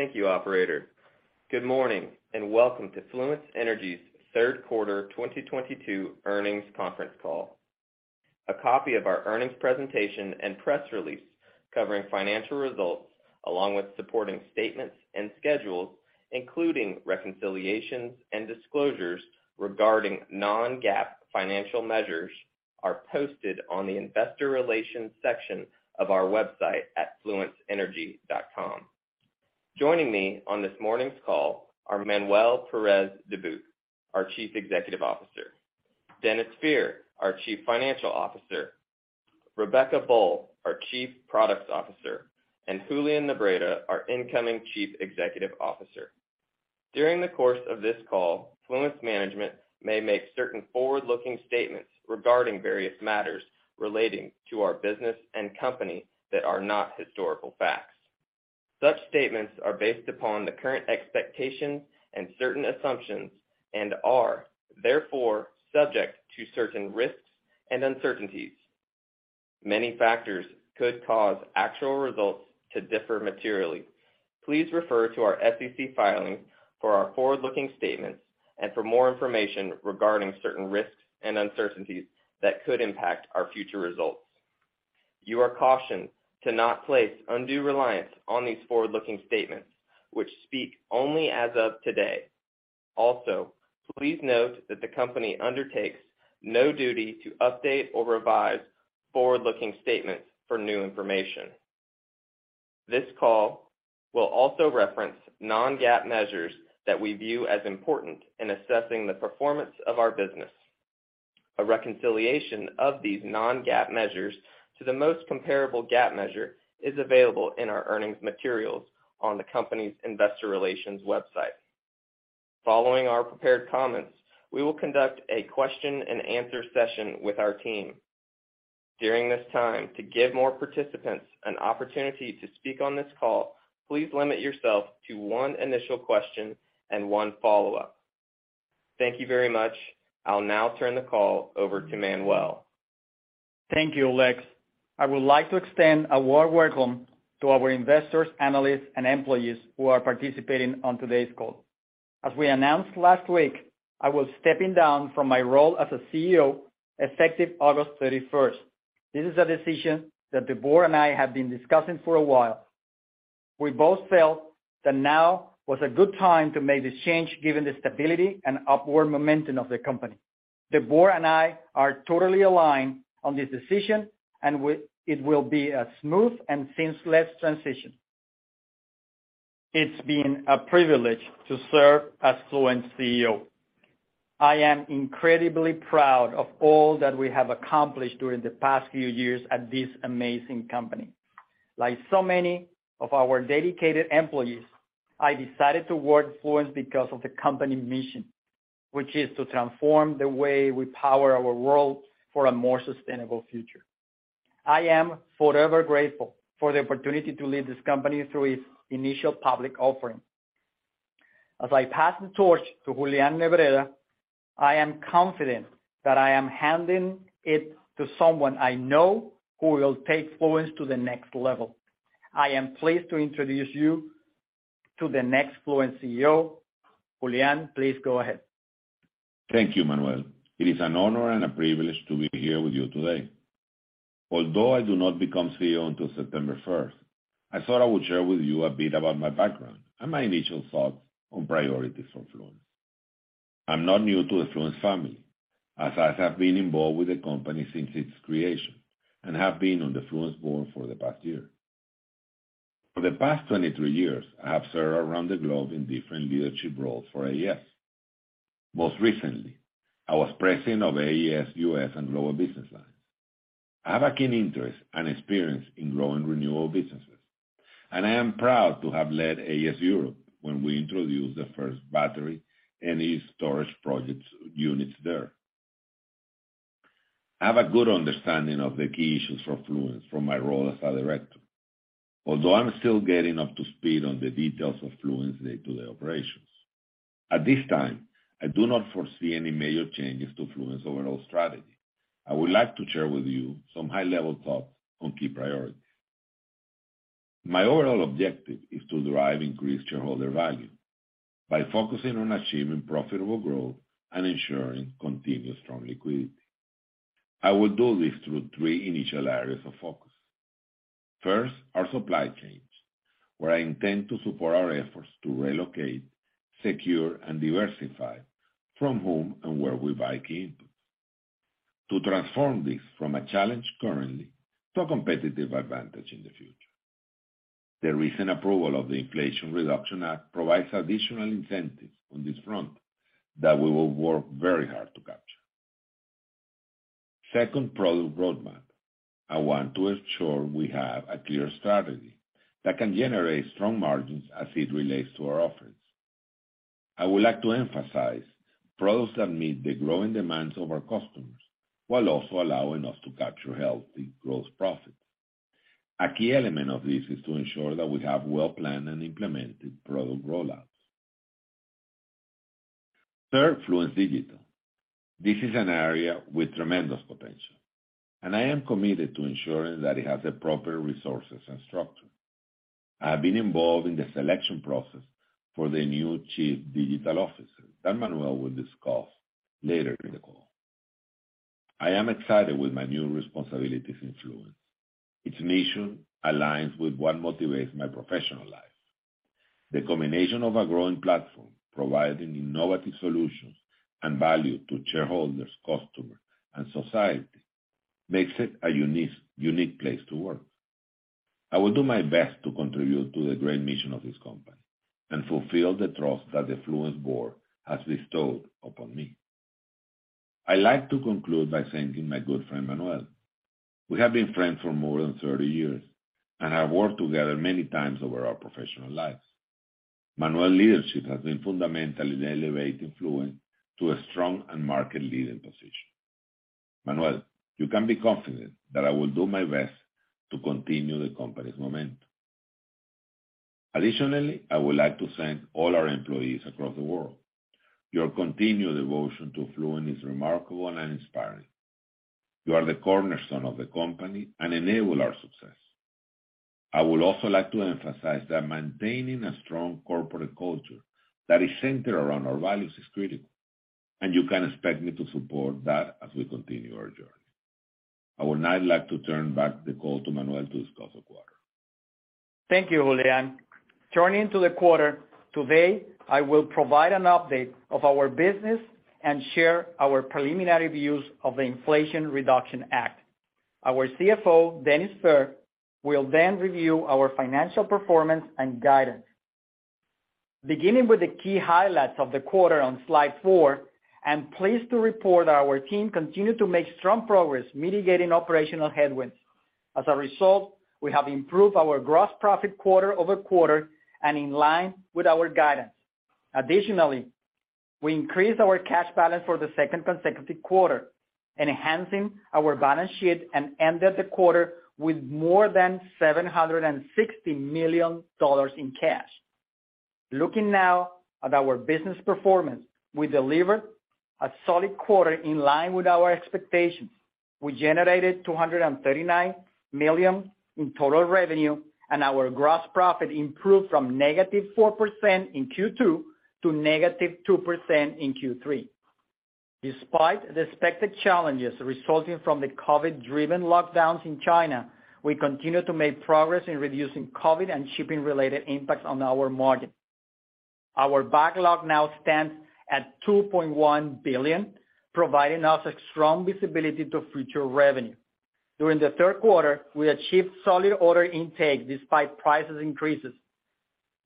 Thank you operator. Good morning, and welcome to Fluence Energy's third quarter 2022 earnings conference call. A copy of our earnings presentation and press release covering financial results, along with supporting statements and schedules, including reconciliations and disclosures regarding non-GAAP financial measures, are posted on the investor relations section of our website at fluenceenergy.com. Joining me on this morning's call are Manuel Pérez Dubuc, our Chief Executive Officer; Dennis Fehr, our Chief Financial Officer; Rebecca Boll, our Chief Products Officer, and Julian Nebreda, our incoming Chief Executive Officer. During the course of this call, Fluence management may make certain forward-looking statements regarding various matters relating to our business and company that are not historical facts. Such statements are based upon the current expectations and certain assumptions, and are, therefore, subject to certain risks and uncertainties. Many factors could cause actual results to differ materially. Please refer to our SEC filings for our forward-looking statements and for more information regarding certain risks and uncertainties that could impact our future results. You are cautioned to not place undue reliance on these forward-looking statements, which speak only as of today. Also, please note that the company undertakes no duty to update or revise forward-looking statements for new information. This call will also reference non-GAAP measures that we view as important in assessing the performance of our business. A reconciliation of these non-GAAP measures to the most comparable GAAP measure is available in our earnings materials on the company's investor relations website. Following our prepared comments, we will conduct a question and answer session with our team. During this time, to give more participants an opportunity to speak on this call, please limit yourself to one initial question and one follow-up. Thank you very much. I'll now turn the call over to Manuel. Thank you, Lexington May. I would like to extend a warm welcome to our investors, analysts and employees who are participating on today's call. As we announced last week, I was stepping down from my role as CEO effective August 31st. This is a decision that the board and I have been discussing for a while. We both felt that now was a good time to make this change given the stability and upward momentum of the company. The board and I are totally aligned on this decision, and it will be a smooth and seamless transition. It's been a privilege to serve as Fluence CEO. I am incredibly proud of all that we have accomplished during the past few years at this amazing company. Like so many of our dedicated employees, I decided to work at Fluence because of the company mission, which is to transform the way we power our world for a more sustainable future. I am forever grateful for the opportunity to lead this company through its initial public offering. As I pass the torch to Julian Nebreda, I am confident that I am handing it to someone I know who will take Fluence to the next level. I am pleased to introduce you to the next Fluence CEO. Julian, please go ahead. Thank you, Manuel. It is an honor and a privilege to be here with you today. Although I do not become CEO until September 1st, I thought I would share with you a bit about my background and my initial thoughts on priorities for Fluence. I'm not new to the Fluence family, as I have been involved with the company since its creation, and have been on the Fluence board for the past year. For the past 23 years, I have served around the globe in different leadership roles for AES. Most recently, I was president of AES US and Global Business Line. I have a keen interest and experience in growing renewable businesses, and I am proud to have led AES Europe when we introduced the first battery energy storage project units there. I have a good understanding of the key issues for Fluence from my role as a director. Although I'm still getting up to speed on the details of Fluence day-to-day operations, at this time, I do not foresee any major changes to Fluence overall strategy. I would like to share with you some high-level thoughts on key priorities. My overall objective is to derive increased shareholder value by focusing on achieving profitable growth and ensuring continuous strong liquidity. I will do this through three initial areas of focus. First, our supply chains, where I intend to support our efforts to relocate, secure, and diversify from whom and where we buy key inputs. To transform this from a challenge currently to a competitive advantage in the future. The recent approval of the Inflation Reduction Act provides additional incentives on this front that we will work very hard to capture. Second, product roadmap. I want to ensure we have a clear strategy that can generate strong margins as it relates to our offerings. I would like to emphasize products that meet the growing demands of our customers, while also allowing us to capture healthy growth profits. A key element of this is to ensure that we have well-planned and implemented product rollouts. Third, Fluence Digital. This is an area with tremendous potential, and I am committed to ensuring that it has the proper resources and structure. I have been involved in the selection process for the new Chief Digital Officer that Manuel will discuss later in the call. I am excited with my new responsibilities in Fluence. Its mission aligns with what motivates my professional life. The combination of a growing platform, providing innovative solutions and value to shareholders, customers, and society makes it a unique place to work. I will do my best to contribute to the great mission of this company and fulfill the trust that the Fluence board has bestowed upon me. I like to conclude by thanking my good friend, Manuel. We have been friends for more than 30 years and have worked together many times over our professional lives. Manuel's leadership has been fundamental in elevating Fluence to a strong and market-leading position. Manuel, you can be confident that I will do my best to continue the company's momentum. Additionally, I would like to thank all our employees across the world. Your continued devotion to Fluence is remarkable and inspiring. You are the cornerstone of the company and enable our success. I would also like to emphasize that maintaining a strong corporate culture that is centered around our values is critical, and you can expect me to support that as we continue our journey. I would now like to turn back the call to Manuel to discuss the quarter. Thank you, Julian. Turning to the quarter, today, I will provide an update of our business and share our preliminary views of the Inflation Reduction Act. Our CFO, Dennis Fehr, will then review our financial performance and guidance. Beginning with the key highlights of the quarter on slide four, I'm pleased to report that our team continued to make strong progress mitigating operational headwinds. As a result, we have improved our gross profit quarter-over-quarter and in line with our guidance. Additionally, we increased our cash balance for the second consecutive quarter, enhancing our balance sheet and ended the quarter with more than $760 million in cash. Looking now at our business performance, we delivered a solid quarter in line with our expectations. We generated $239 million in total revenue, and our gross profit improved from -4% in Q2 to -2% in Q3. Despite the expected challenges resulting from the COVID-driven lockdowns in China, we continue to make progress in reducing COVID and shipping-related impacts on our margin. Our backlog now stands at $2.1 billion, providing us a strong visibility to future revenue. During the third quarter, we achieved solid order intake despite price increases,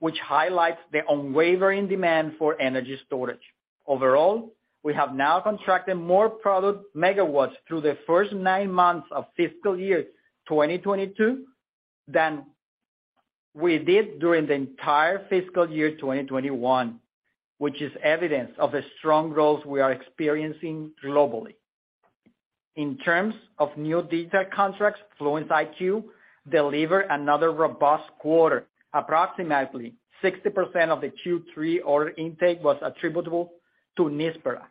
which highlights the unwavering demand for energy storage. Overall, we have now contracted more product megawatts through the first nine months of fiscal year 2022 than we did during the entire fiscal year 2021, which is evidence of the strong growth we are experiencing globally. In terms of new digital contracts, Fluence IQ delivered another robust quarter. Approximately 60% of the Q3 order intake was attributable to Nispera.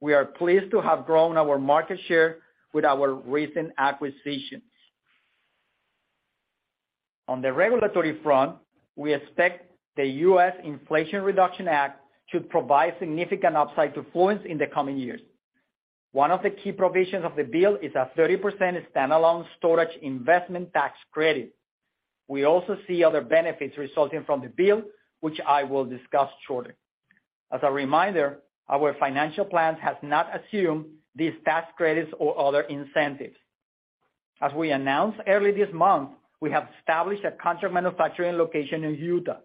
We are pleased to have grown our market share with our recent acquisitions. On the regulatory front, we expect the U.S. Inflation Reduction Act to provide significant upside to Fluence in the coming years. One of the key provisions of the bill is a 30% standalone storage investment tax credit. We also see other benefits resulting from the bill, which I will discuss shortly. As a reminder, our financial plans has not assumed these tax credits or other incentives. As we announced early this month, we have established a contract manufacturing location in Utah,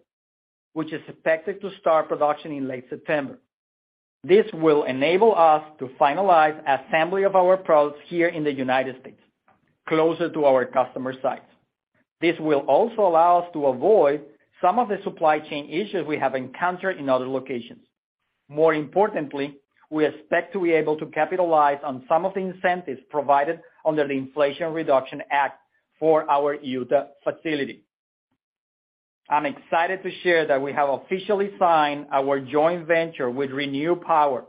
which is expected to start production in late September. This will enable us to finalize assembly of our products here in the United States, closer to our customer sites. This will also allow us to avoid some of the supply chain issues we have encountered in other locations. More importantly, we expect to be able to capitalize on some of the incentives provided under the Inflation Reduction Act for our Utah facility. I'm excited to share that we have officially signed our joint venture with ReNew Power,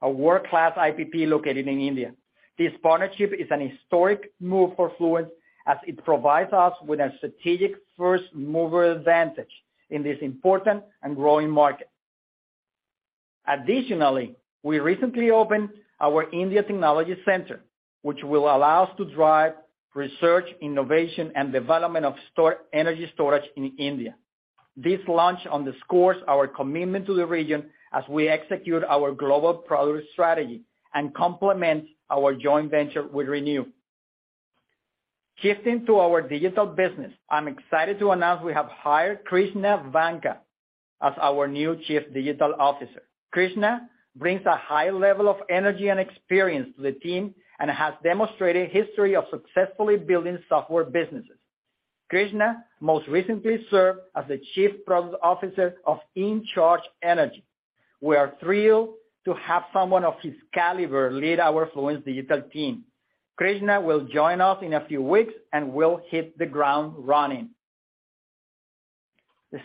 a world-class IPP located in India. This partnership is an historic move for Fluence as it provides us with a strategic first-mover advantage in this important and growing market. Additionally, we recently opened our India Technology Center, which will allow us to drive research, innovation, and development of energy storage in India. This launch underscores our commitment to the region as we execute our global product strategy and complement our joint venture with ReNew. Shifting to our digital business, I'm excited to announce we have hired Krishna Vanka as our new Chief Digital Officer. Krishna brings a high level of energy and experience to the team and has demonstrated history of successfully building software businesses. Krishna most recently served as the Chief Product Officer of InCharge Energy. We are thrilled to have someone of his caliber lead our Fluence digital team. Krishna will join us in a few weeks and will hit the ground running.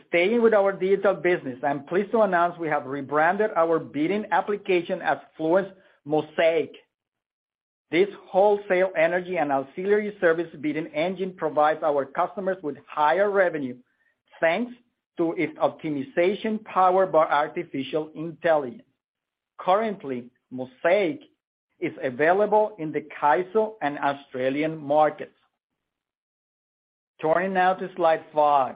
Staying with our digital business, I'm pleased to announce we have rebranded our bidding application as Fluence Mosaic. This wholesale energy and auxiliary service bidding engine provides our customers with higher revenue, thanks to its optimization power by artificial intelligence. Currently, Mosaic is available in the CAISO and Australian markets. Turning now to slide five.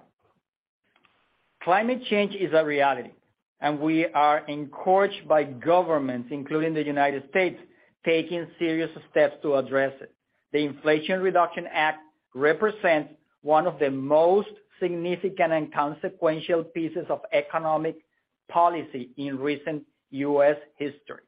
Climate change is a reality, and we are encouraged by governments, including the United States, taking serious steps to address it. The Inflation Reduction Act represents one of the most significant and consequential pieces of economic policy in recent US history.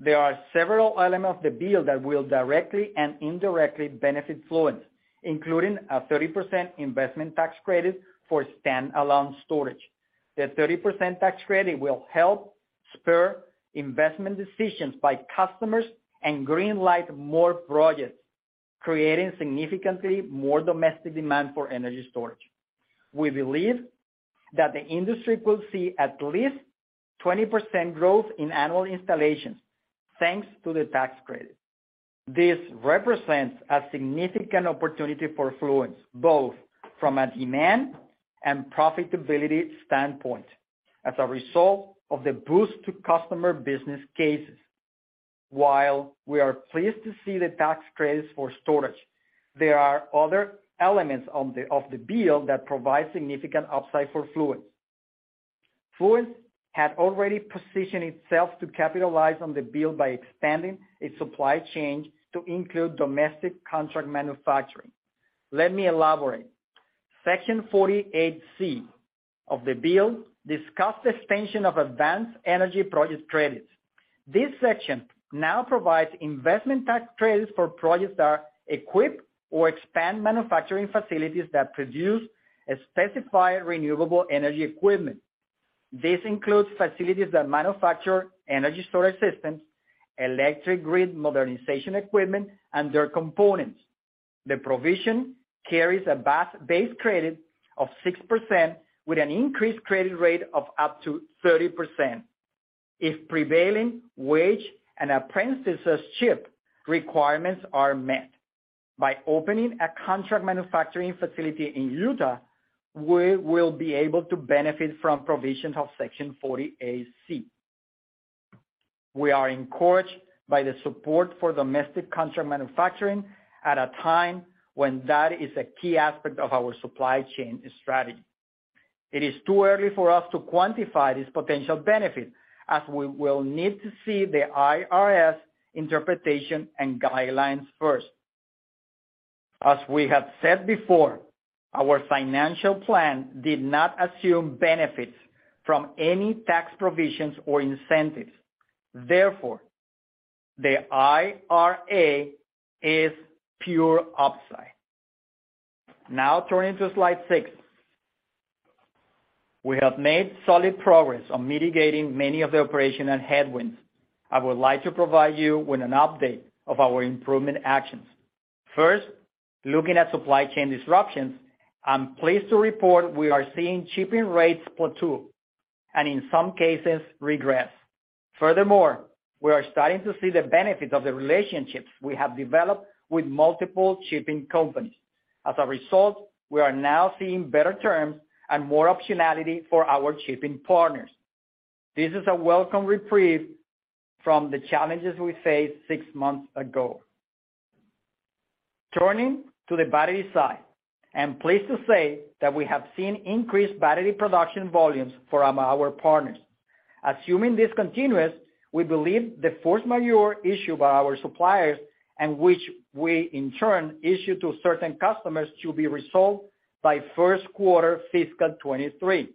There are several elements of the bill that will directly and indirectly benefit Fluence, including a 30% investment tax credit for stand-alone storage. The 30% tax credit will help spur investment decisions by customers and green-light more projects, creating significantly more domestic demand for energy storage. We believe that the industry will see at least 20% growth in annual installations thanks to the tax credit. This represents a significant opportunity for Fluence, both from a demand and profitability standpoint as a result of the boost to customer business cases. While we are pleased to see the tax credits for storage, there are other elements of the bill that provide significant upside for Fluence. Fluence had already positioned itself to capitalize on the bill by expanding its supply chain to include domestic contract manufacturing. Let me elaborate. Section 48C of the bill discussed expansion of advanced energy project credits. This section now provides investment tax credits for projects that equip or expand manufacturing facilities that produce a specified renewable energy equipment. This includes facilities that manufacture energy storage systems, electric grid modernization equipment, and their components. The provision carries a base credit of 6% with an increased credit rate of up to 30% if prevailing wage and apprenticeship requirements are met. By opening a contract manufacturing facility in Utah, we will be able to benefit from provisions of Section 48C. We are encouraged by the support for domestic contract manufacturing at a time when that is a key aspect of our supply chain strategy. It is too early for us to quantify this potential benefit, as we will need to see the IRS interpretation and guidelines first. As we have said before, our financial plan did not assume benefits from any tax provisions or incentives. Therefore, the IRA is pure upside. Now turning to slide six. We have made solid progress on mitigating many of the operational headwinds. I would like to provide you with an update of our improvement actions. First, looking at supply chain disruptions, I'm pleased to report we are seeing shipping rates plateau and, in some cases, regress. Furthermore, we are starting to see the benefits of the relationships we have developed with multiple shipping companies. As a result, we are now seeing better terms and more optionality for our shipping partners. This is a welcome reprieve from the challenges we faced six months ago. Turning to the battery side. I'm pleased to say that we have seen increased battery production volumes from our partners. Assuming this continues, we believe the force majeure issued by our suppliers and which we, in turn, issue to certain customers to be resolved by first quarter fiscal 2023.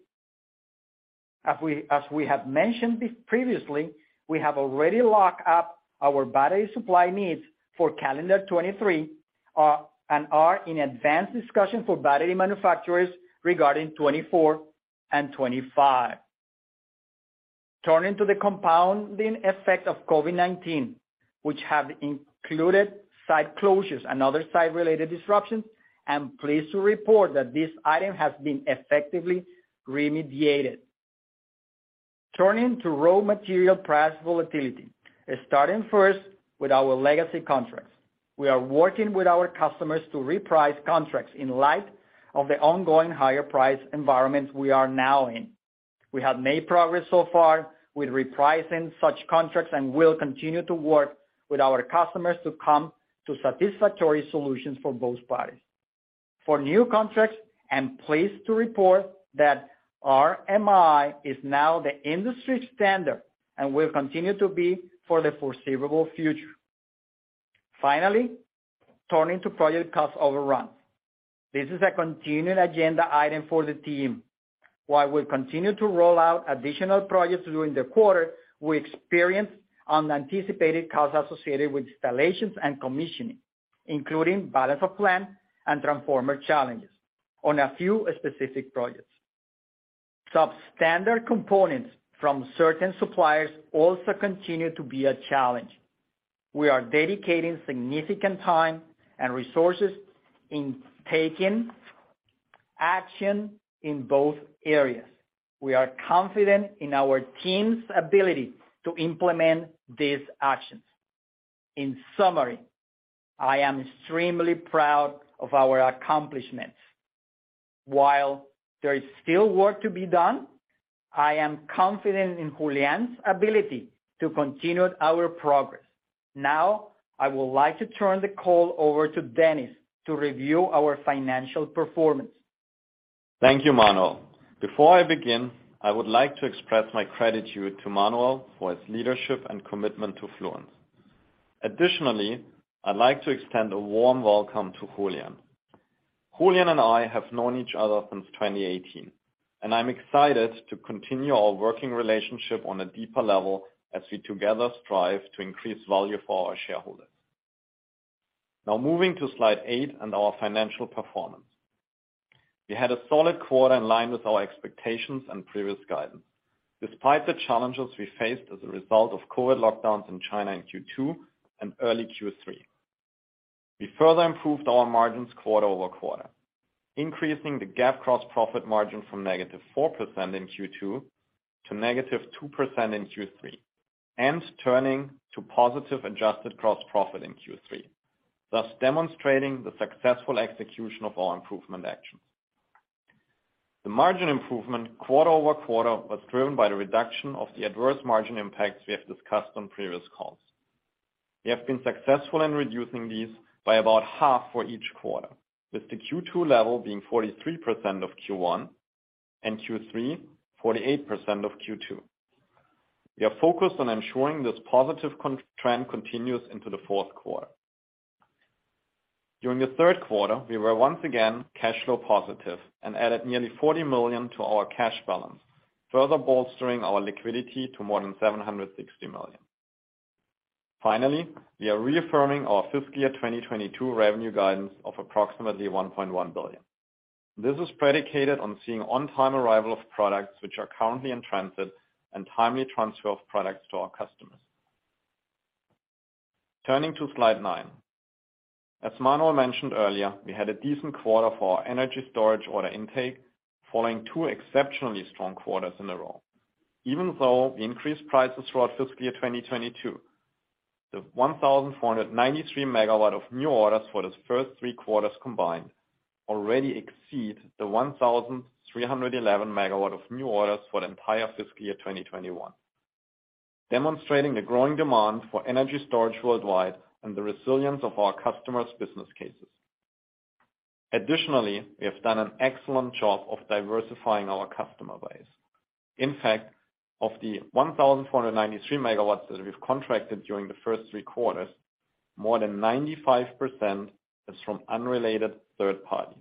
As we have mentioned this previously, we have already locked up our battery supply needs for calendar 2023, and are in advanced discussions for battery manufacturers regarding 2024 and 2025. Turning to the compounding effect of COVID-19, which have included site closures and other site-related disruptions, I'm pleased to report that this item has been effectively remediated. Turning to raw material price volatility, starting first with our legacy contracts. We are working with our customers to reprice contracts in light of the ongoing higher price environment we are now in. We have made progress so far with repricing such contracts and will continue to work with our customers to come to satisfactory solutions for both parties. For new contracts, I'm pleased to report that RMI is now the industry standard and will continue to be for the foreseeable future. Finally, turning to project cost overrun. This is a continued agenda item for the team. While we continue to roll out additional projects during the quarter, we experienced unanticipated costs associated with installations and commissioning, including balance of plant and transformer challenges on a few specific projects. Substandard components from certain suppliers also continue to be a challenge. We are dedicating significant time and resources in taking action in both areas. We are confident in our team's ability to implement these actions. In summary, I am extremely proud of our accomplishments. While there is still work to be done, I am confident in Julian's ability to continue our progress. Now, I would like to turn the call over to Dennis to review our financial performance. Thank you, Manuel. Before I begin, I would like to express my gratitude to Manuel for his leadership and commitment to Fluence. Additionally, I'd like to extend a warm welcome to Julian. Julian and I have known each other since 2018, and I'm excited to continue our working relationship on a deeper level as we together strive to increase value for our shareholders. Now moving to slide eight and our financial performance. We had a solid quarter in line with our expectations and previous guidance. Despite the challenges we faced as a result of COVID lockdowns in China in Q2 and early Q3, we further improved our margins quarter-over-quarter, increasing the GAAP gross profit margin from negative 4% in Q2 to negative 2% in Q3, and turning to positive adjusted gross profit in Q3, thus demonstrating the successful execution of our improvement actions. The margin improvement quarter over quarter was driven by the reduction of the adverse margin impacts we have discussed on previous calls. We have been successful in reducing these by about half for each quarter, with the Q2 level being 43% of Q1 and Q3 48% of Q2. We are focused on ensuring this positive continued trend continues into the fourth quarter. During the third quarter, we were once again cash flow positive and added nearly $40 million to our cash balance, further bolstering our liquidity to more than $760 million. Finally, we are reaffirming our fiscal year 2022 revenue guidance of approximately $1.1 billion. This is predicated on seeing on-time arrival of products which are currently in transit and timely transfer of products to our customers. Turning to slide nine. As Manuel mentioned earlier, we had a decent quarter for our energy storage order intake, following two exceptionally strong quarters in a row. Even though we increased prices throughout fiscal year 2022, the 1,493 MW of new orders for the first three quarters combined already exceeds the 1,311 MW of new orders for the entire fiscal year 2021, demonstrating the growing demand for energy storage worldwide and the resilience of our customers' business cases. Additionally, we have done an excellent job of diversifying our customer base. In fact, of the 1,493 MW that we've contracted during the first three quarters, more than 95% is from unrelated third parties.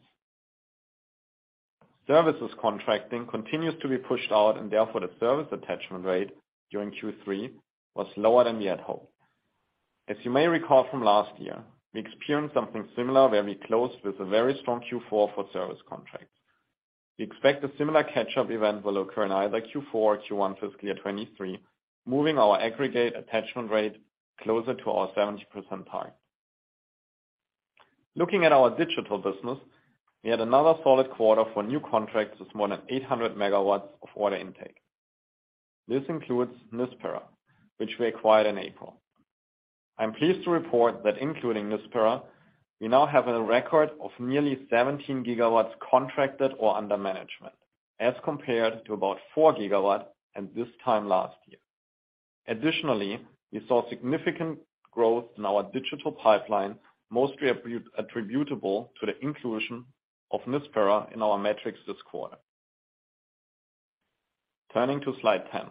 Services contracting continues to be pushed out and therefore the service attachment rate during Q3 was lower than we had hoped. As you may recall from last year, we experienced something similar where we closed with a very strong Q4 for service contracts. We expect a similar catch-up event will occur in either Q4 or Q1 fiscal year 2023, moving our aggregate attachment rate closer to our 70% target. Looking at our digital business, we had another solid quarter for new contracts with more than 800 MW of order intake. This includes Nispera, which we acquired in April. I'm pleased to report that including Nispera, we now have a record of nearly 17 GW contracted or under management, as compared to about 4 GW at this time last year. Additionally, we saw significant growth in our digital pipeline, mostly attributable to the inclusion of Nispera in our metrics this quarter. Turning to slide 10.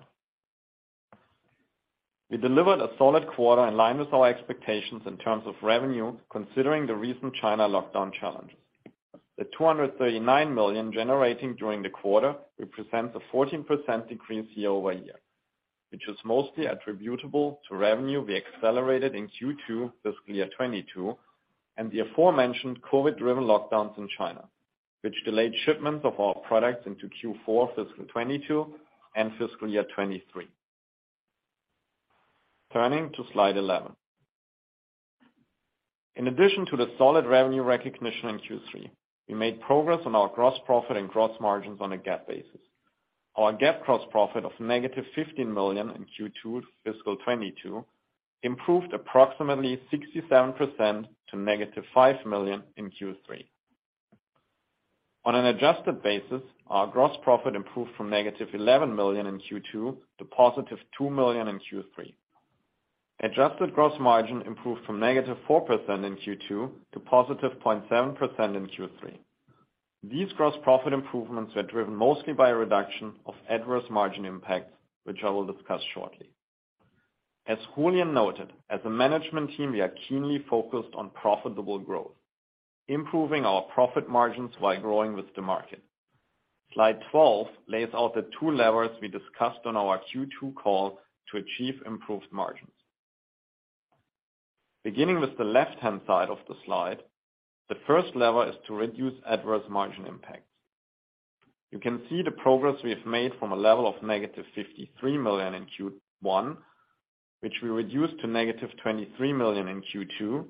We delivered a solid quarter in line with our expectations in terms of revenue, considering the recent China lockdown challenges. The $239 million generating during the quarter represents a 14% decrease year-over-year, which is mostly attributable to revenue we accelerated in Q2 fiscal year 2022 and the aforementioned COVID-driven lockdowns in China, which delayed shipments of our products into Q4 fiscal 2022 and fiscal year 2023. Turning to slide 11. In addition to the solid revenue recognition in Q3, we made progress on our gross profit and gross margins on a GAAP basis. Our GAAP gross profit of -$15 million in Q2 fiscal 2022 improved approximately 67% to -$5 million in Q3. On an adjusted basis, our gross profit improved from -$11 million in Q2 to +$2 million in Q3. Adjusted gross margin improved from -4% in Q2 to +0.7% in Q3. These gross profit improvements were driven mostly by a reduction of adverse margin impacts, which I will discuss shortly. As Julian noted, as a management team, we are keenly focused on profitable growth, improving our profit margins while growing with the market. Slide 12 lays out the two levers we discussed on our Q2 call to achieve improved margins. Beginning with the left-hand side of the slide, the first lever is to reduce adverse margin impacts. You can see the progress we have made from a level of -$53 million in Q1, which we reduced to -$23 million in Q2,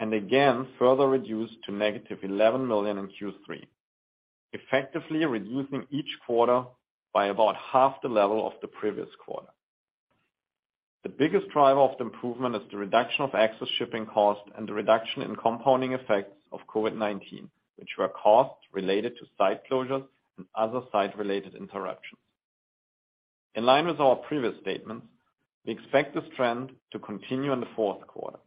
and again, further reduced to -$11 million in Q3, effectively reducing each quarter by about half the level of the previous quarter. The biggest driver of the improvement is the reduction of excess shipping costs and the reduction in compounding effects of COVID-19, which were costs related to site closures and other site-related interruptions. In line with our previous statements, we expect this trend to continue in the fourth quarter,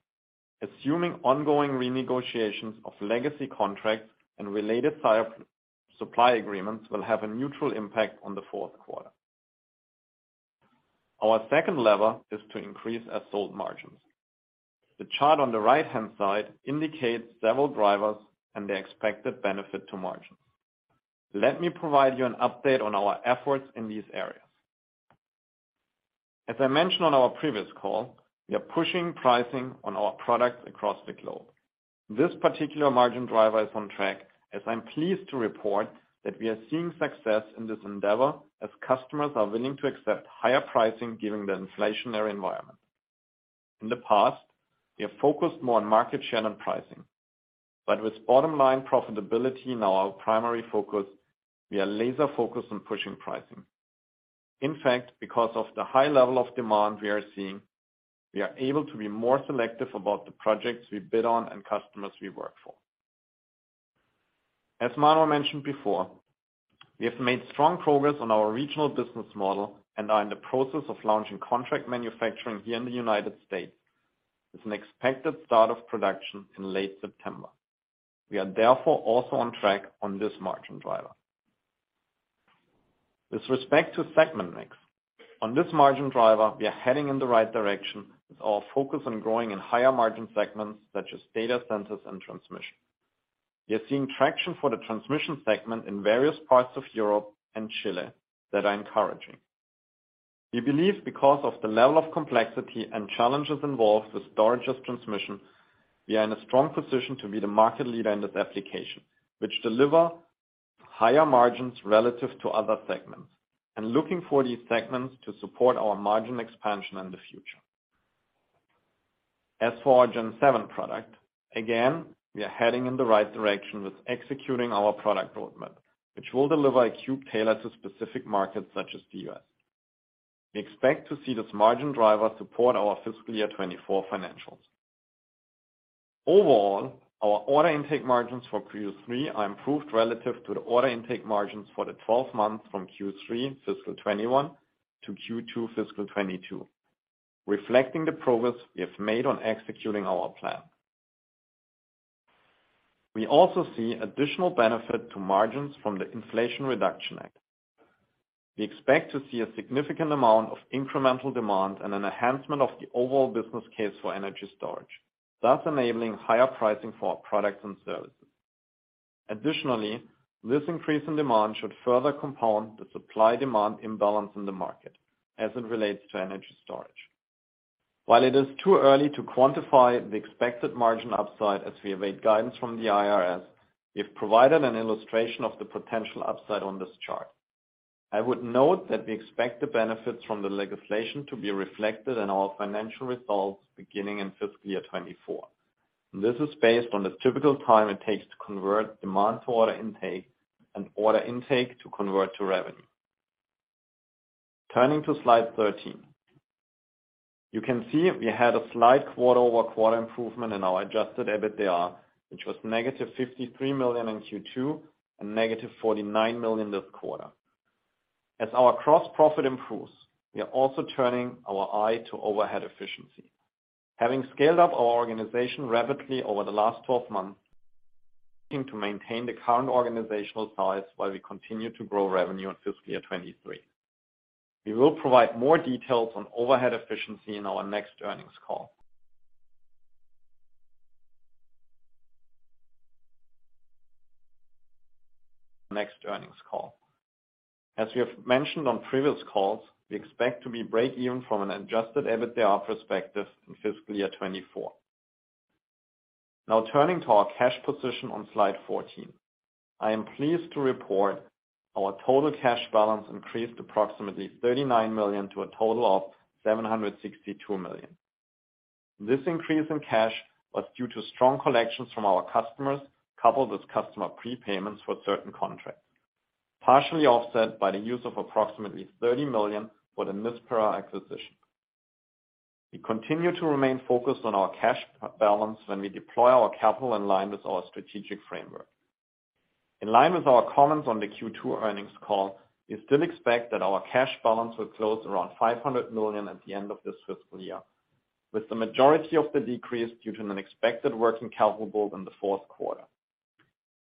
assuming ongoing renegotiations of legacy contracts and related site supply agreements will have a neutral impact on the fourth quarter. Our second lever is to increase as sold margins. The chart on the right-hand side indicates several drivers and the expected benefit to margins. Let me provide you an update on our efforts in these areas. As I mentioned on our previous call, we are pushing pricing on our products across the globe. This particular margin driver is on track, as I'm pleased to report that we are seeing success in this endeavor as customers are willing to accept higher pricing given the inflationary environment. In the past, we have focused more on market share and pricing. With bottom line profitability now our primary focus, we are laser focused on pushing pricing. In fact, because of the high level of demand we are seeing, we are able to be more selective about the projects we bid on and customers we work for. As Manuel mentioned before, we have made strong progress on our regional business model and are in the process of launching contract manufacturing here in the United States with an expected start of production in late September. We are therefore also on track on this margin driver. With respect to segment mix, on this margin driver, we are heading in the right direction with our focus on growing in higher margin segments such as data centers and transmission. We are seeing traction for the transmission segment in various parts of Europe and Chile that are encouraging. We believe because of the level of complexity and challenges involved with storage and transmission, we are in a strong position to be the market leader in this application, which deliver higher margins relative to other segments, and looking for these segments to support our margin expansion in the future. As for our Gen7 product, again, we are heading in the right direction with executing our product roadmap, which will deliver a cube tailored to specific markets such as the U.S. We expect to see this margin driver support our fiscal year 2024 financials. Overall, our order intake margins for Q3 are improved relative to the order intake margins for the 12 months from Q3 fiscal 2021 to Q2 fiscal 2022, reflecting the progress we have made on executing our plan. We also see additional benefit to margins from the Inflation Reduction Act. We expect to see a significant amount of incremental demand and an enhancement of the overall business case for energy storage, thus enabling higher pricing for our products and services. Additionally, this increase in demand should further compound the supply-demand imbalance in the market as it relates to energy storage. While it is too early to quantify the expected margin upside as we await guidance from the IRS, we have provided an illustration of the potential upside on this chart. I would note that we expect the benefits from the legislation to be reflected in our financial results beginning in fiscal year 2024. This is based on the typical time it takes to convert demand to order intake and order intake to convert to revenue. Turning to slide 13. You can see we had a slight quarter-over-quarter improvement in our adjusted EBITDA, which was -$53 million in Q2, and -$49 million this quarter. As our gross profit improves, we are also turning our eye to overhead efficiency. Having scaled up our organization rapidly over the last 12 months, looking to maintain the current organizational size while we continue to grow revenue in fiscal year 2023. We will provide more details on overhead efficiency in our next earnings call. As we have mentioned on previous calls, we expect to be break even from an adjusted EBITDA perspective in fiscal year 2024. Now turning to our cash position on slide 14. I am pleased to report our total cash balance increased approximately $39 million to a total of $762 million. This increase in cash was due to strong collections from our customers, coupled with customer prepayments for certain contracts, partially offset by the use of approximately $30 million for the Nispera acquisition. We continue to remain focused on our cash balance when we deploy our capital in line with our strategic framework. In line with our comments on the Q2 earnings call, we still expect that our cash balance will close around $500 million at the end of this fiscal year, with the majority of the decrease due to an expected working capital build in the fourth quarter.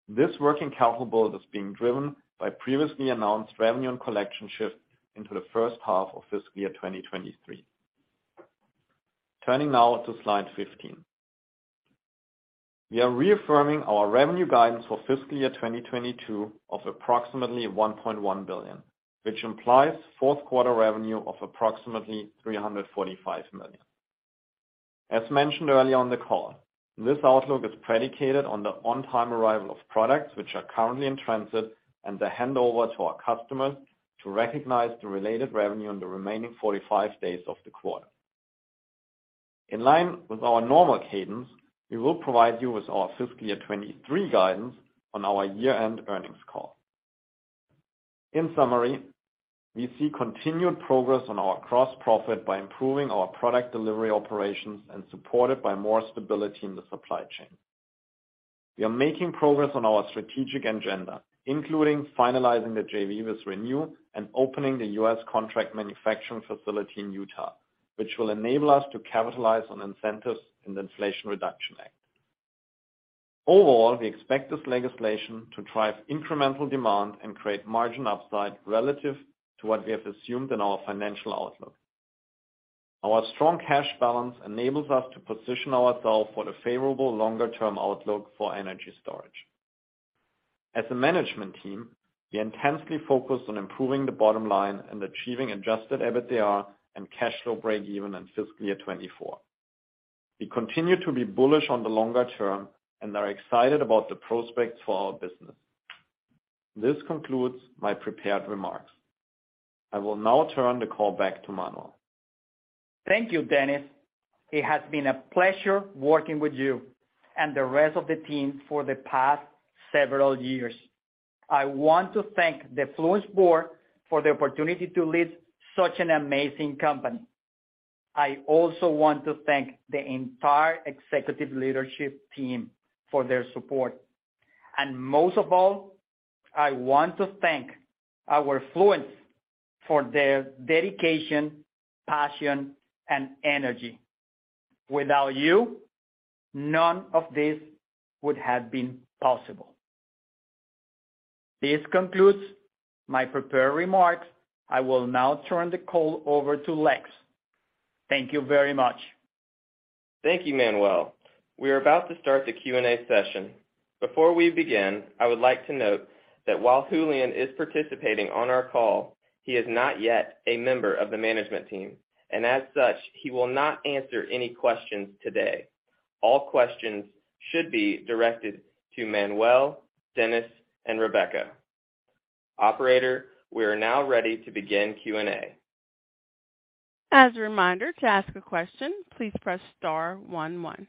This working capital build is being driven by previously announced revenue and collection shift into the first half of fiscal year 2023. Turning now to slide 15. We are reaffirming our revenue guidance for fiscal year 2022 of approximately $1.1 billion, which implies fourth quarter revenue of approximately $345 million. As mentioned earlier on the call, this outlook is predicated on the on-time arrival of products which are currently in transit and the handover to our customers to recognize the related revenue in the remaining 45 days of the quarter. In line with our normal cadence, we will provide you with our fiscal year 2023 guidance on our year-end earnings call. In summary, we see continued progress on our gross profit by improving our product delivery operations and supported by more stability in the supply chain. We are making progress on our strategic agenda, including finalizing the JV with ReNew and opening the US contract manufacturing facility in Utah, which will enable us to capitalize on incentives in the Inflation Reduction Act. Overall, we expect this legislation to drive incremental demand and create margin upside relative to what we have assumed in our financial outlook. Our strong cash balance enables us to position ourselves for the favorable longer-term outlook for energy storage. As a management team, we intensely focus on improving the bottom line and achieving adjusted EBITDA and cash flow breakeven in fiscal year 2024. We continue to be bullish on the longer term and are excited about the prospects for our business. This concludes my prepared remarks. I will now turn the call back to Manuel. Thank you, Dennis. It has been a pleasure working with you and the rest of the team for the past several years. I want to thank the Fluence board for the opportunity to lead such an amazing company. I also want to thank the entire executive leadership team for their support. Most of all, I want to thank our Fluence for their dedication, passion, and energy. Without you, none of this would have been possible. This concludes my prepared remarks. I will now turn the call over to Lexington. Thank you very much. Thank you, Manuel. We are about to start the Q&A session. Before we begin, I would like to note that while Julian is participating on our call, he is not yet a member of the management team, and as such, he will not answer any questions today. All questions should be directed to Manuel, Dennis, and Rebecca. Operator, we are now ready to begin Q&A. As a reminder, to ask a question, please press star one one.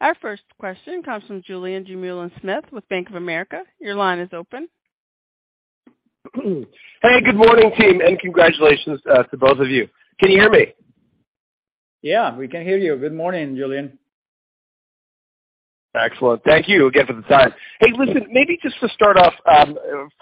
Our first question comes from Julien Dumoulin-Smith with Bank of America. Your line is open. Hey, good morning, team, and congratulations to both of you. Can you hear me? Yeah, we can hear you. Good morning, Julian. Excellent. Thank you again for the time. Hey, listen, maybe just to start off,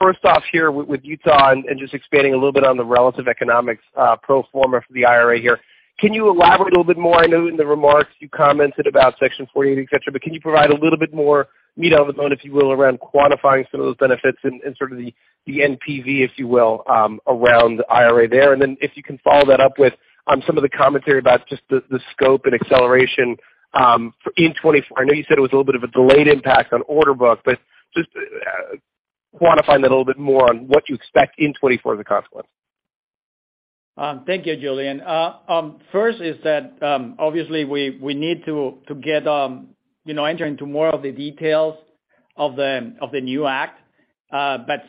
first off here with Utah and just expanding a little bit on the relative economics, pro forma for the IRA here. Can you elaborate a little bit more? I know in the remarks you commented about Section 48C, et cetera, but can you provide a little bit more meat on the bone, if you will, around quantifying some of those benefits and sort of the NPV, if you will, around IRA there? Then if you can follow that up with some of the commentary about just the scope and acceleration for in 2024. I know you said it was a little bit of a delayed impact on order book, but just quantify that a little bit more on what you expect in 2024 as a consequence. Thank you, Julian. First is that, obviously, we need to get, you know, enter into more of the details of the new act.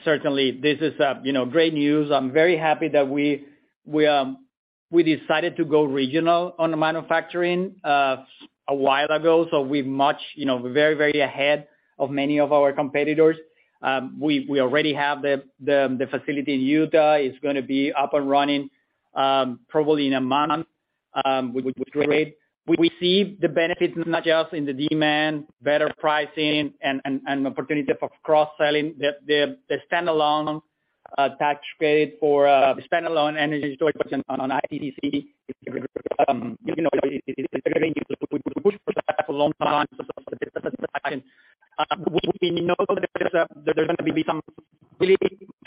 Certainly, this is, you know, great news. I'm very happy that we decided to go regional on the manufacturing a while ago, so we're much, you know, we're very ahead of many of our competitors. We already have the facility in Utah. It's gonna be up and running, probably in a month, which is great. We see the benefits not just in the demand, better pricing and opportunity for cross-selling. The standalone tax credit for the standalone energy storage on ITC, you know, is triggering. We would push for that long run. We know that there's gonna be some really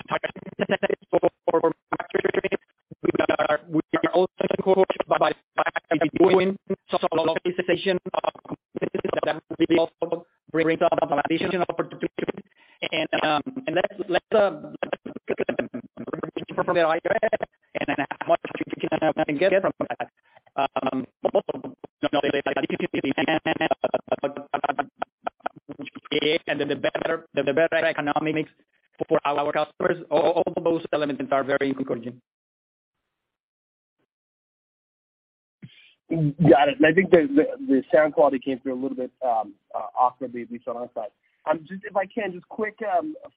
hard businesses for manufacturing. We are also encouraged by doing some localization of businesses that will bring some additional opportunity. Let's look at it from the IRA and how much we can get from that. Also, you know, and the better economics for our customers. All those elements are very encouraging. Got it. I think the sound quality came through a little bit awkwardly at least on our side. Just if I can, just quick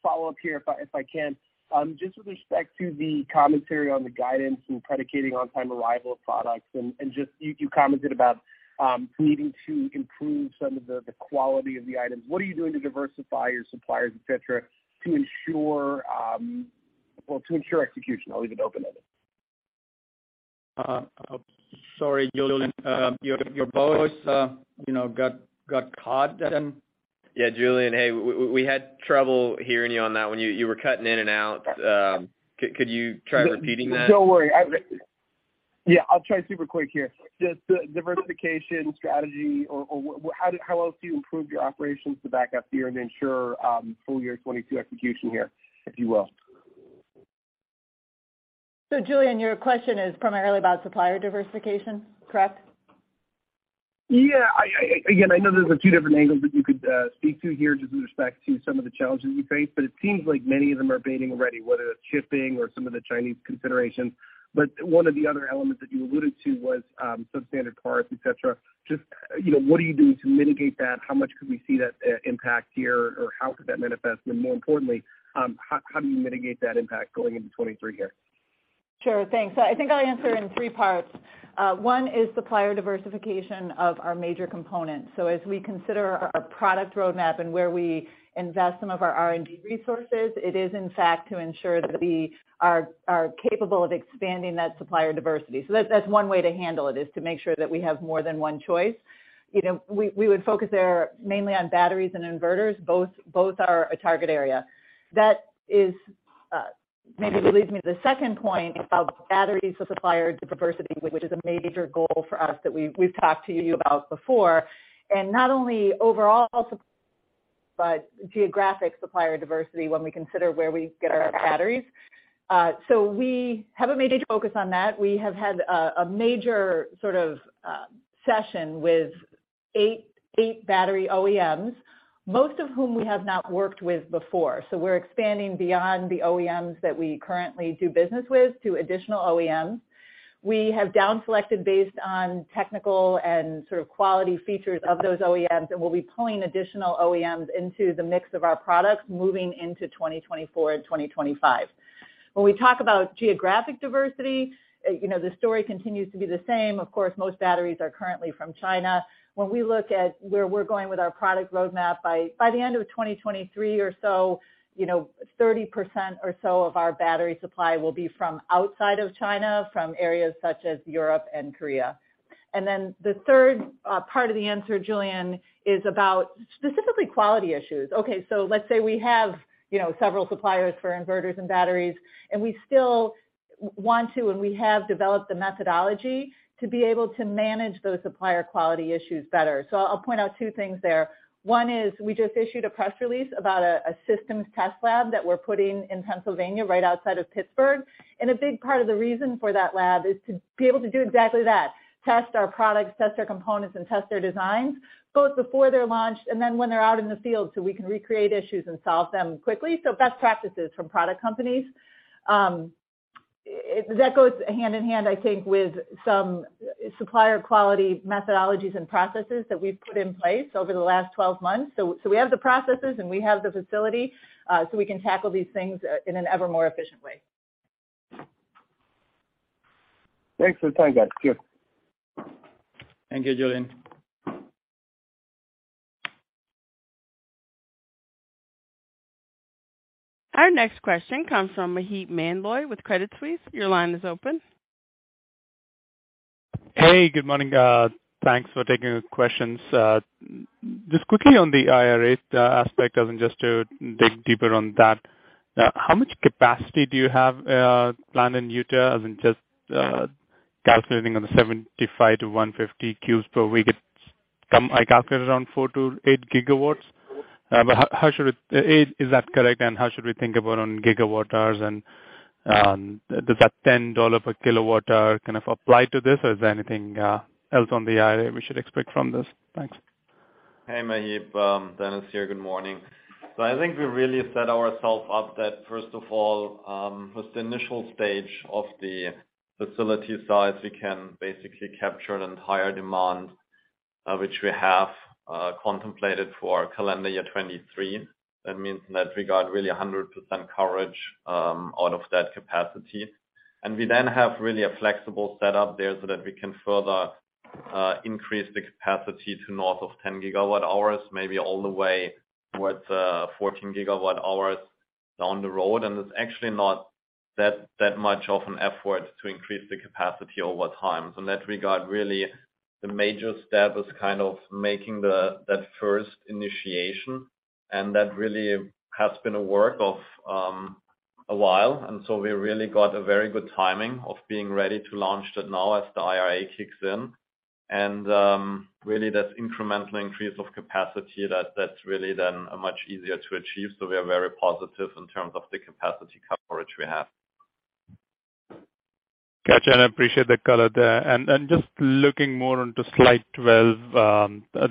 follow up here if I can. Just with respect to the commentary on the guidance and predicating on time arrival of products and just you commented about needing to improve some of the quality of the items. What are you doing to diversify your suppliers, et cetera, to ensure execution? I'll leave it open-ended. Sorry, Julian. Your voice, you know, got caught then. Yeah, Julian. Hey, we had trouble hearing you on that one. You were cutting in and out. Could you try repeating that? Don't worry. Yeah, I'll try super quick here. Just the diversification strategy or what. How else do you improve your operations to back up here and ensure full year 2022 execution here, if you will. Julian, your question is primarily about supplier diversification, correct? Yeah. I know those are two different angles that you could speak to here just with respect to some of the challenges you face, but it seems like many of them are abating already, whether it's shipping or some of the Chinese considerations. One of the other elements that you alluded to was substandard parts, et cetera. Just, you know, what do you do to mitigate that? How much could we see that impact here, or how could that manifest? More importantly, how do you mitigate that impact going into 2023 here? Sure. Thanks. I think I'll answer in three parts. One is supplier diversification of our major components. As we consider our product roadmap and where we invest some of our R&D resources, it is in fact to ensure that we are capable of expanding that supplier diversity. That's one way to handle it, is to make sure that we have more than one choice. You know, we would focus there mainly on batteries and inverters, both are a target area. That is, maybe leads me to the second point of batteries for supplier diversity, which is a major goal for us that we've talked to you about before. Not only overall but geographic supplier diversity when we consider where we get our batteries. We have a major focus on that. We have had a major sort of session with eight battery OEMs, most of whom we have not worked with before. We're expanding beyond the OEMs that we currently do business with to additional OEMs. We have down selected based on technical and sort of quality features of those OEMs, and we'll be pulling additional OEMs into the mix of our products moving into 2024 and 2025. When we talk about geographic diversity, you know, the story continues to be the same. Of course, most batteries are currently from China. When we look at where we're going with our product roadmap, by the end of 2023 or so, you know, 30% or so of our battery supply will be from outside of China from areas such as Europe and Korea. Then the third part of the answer, Julian, is about specifically quality issues. Okay, let's say we have, you know, several suppliers for inverters and batteries, and we still want to, and we have developed the methodology to be able to manage those supplier quality issues better. I'll point out two things there. One is we just issued a press release about a systems test lab that we're putting in Pennsylvania right outside of Pittsburgh. A big part of the reason for that lab is to be able to do exactly that, test our products, test their components, and test their designs, both before they're launched and then when they're out in the field, so we can recreate issues and solve them quickly. Best practices from product companies. That goes hand in hand, I think, with some supplier quality methodologies and processes that we've put in place over the last 12 months. We have the processes and we have the facility, so we can tackle these things in an ever more efficient way. Thanks for the time, guys. Cheers. Thank you, Julian. Our next question comes from Maheep Mandloi with Credit Suisse. Your line is open. Hey, good morning. Thanks for taking the questions. Just quickly on the IRA aspect, I mean, just to dig deeper on that. How much capacity do you have planned in Utah other than just calculating on the 75-150 cubes per week? I calculated around 4 GW-8 GW. Is that correct, and how should we think about gigawatt hours and does that $10 per kilowatt hour kind of apply to this or is there anything else on the IRA we should expect from this? Thanks. Hey, Maheep. Dennis here. Good morning. I think we really set ourselves up that first of all, with the initial stage of the facility size, we can basically capture an entire demand, which we have contemplated for calendar year 2023. That means in that regard, really 100% coverage out of that capacity. We then have really a flexible setup there so that we can further increase the capacity to north of 10 GWh, maybe all the way towards 14 GWh down the road. It's actually not that much of an effort to increase the capacity over time. In that regard, really the major step is kind of making that first initiation, and that really has been a work of a while. We really got a very good timing of being ready to launch that now as the IRA kicks in. Really, that incremental increase of capacity, that's really then much easier to achieve. We are very positive in terms of the capacity coverage we have. Gotcha. I appreciate the color there. Just looking more into slide 12,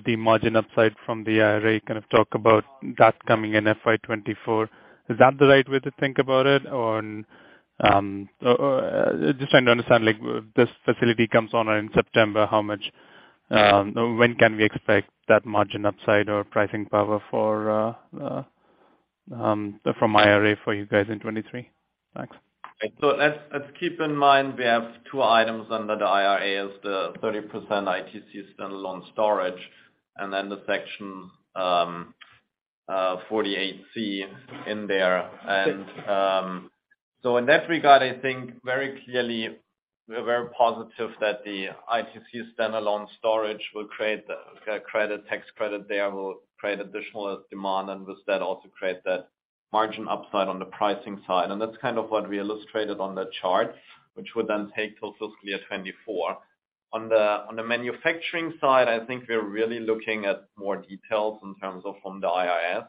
the margin upside from the IRA, kind of talk about that coming in FY 2024. Is that the right way to think about it? Or just trying to understand, like, this facility comes on in September, how much, when can we expect that margin upside or pricing power for, from IRA for you guys in 2023? Thanks. Let's keep in mind we have two items under the IRA as the 30% ITC spent on storage and then the Section 48C in there. In that regard, I think very clearly we are very positive that the ITC standalone storage will create the tax credit there, will create additional demand, and with that, also create that margin upside on the pricing side. That's kind of what we illustrated on the chart, which would then take till fiscal 2024. On the manufacturing side, I think we're really looking at more details in terms of from the IRS,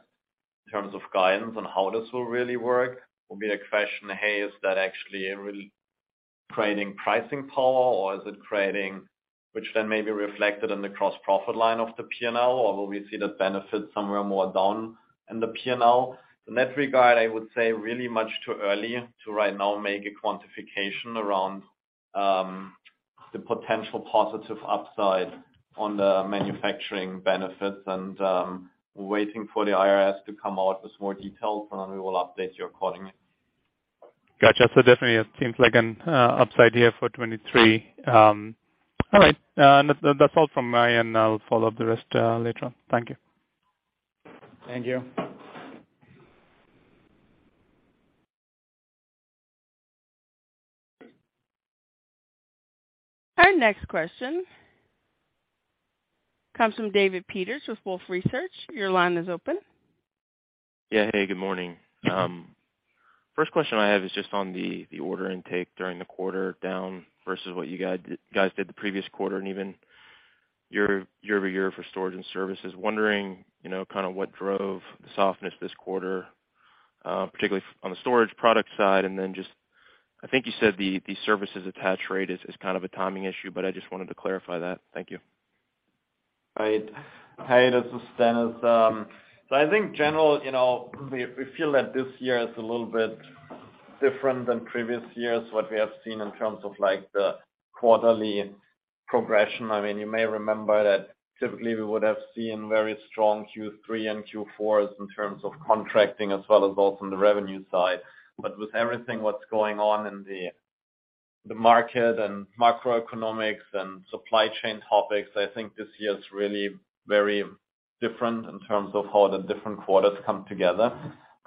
in terms of guidance on how this will really work. Will be a question, hey, is that actually really creating pricing power, or is it creating, which then may be reflected in the gross profit line of the P&L, or will we see the benefit somewhere more down in the P&L? In that regard, I would say really much too early to right now make a quantification around the potential positive upside on the manufacturing benefits. We're waiting for the IRS to come out with more details, and then we will update you accordingly. Gotcha. Definitely it seems like an upside here for 2023. All right. That's all from my end. I'll follow up the rest later on. Thank you. Thank you. Our next question comes from David Peters with Wolfe Research. Your line is open. Hey, good morning. First question I have is just on the order intake during the quarter down versus what you guys did the previous quarter and even year-over-year for storage and services. Wondering, you know, kinda what drove the softness this quarter, particularly on the storage product side, and then just I think you said the services attach rate is kind of a timing issue, but I just wanted to clarify that. Thank you. Right. Hey, this is Dennis. Generally, you know, we feel that this year is a little bit different than previous years, what we have seen in terms of, like, the quarterly progression. I mean, you may remember that typically we would have seen very strong Q3 and Q4s in terms of contracting as well as also on the revenue side. With everything that's going on in the market and macroeconomics and supply chain topics, I think this year is really very different in terms of how the different quarters come together.